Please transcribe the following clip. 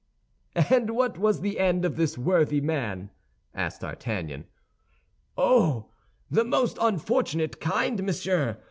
"And what was the end of this worthy man?" asked D'Artagnan. "Oh, of the most unfortunate kind, monsieur.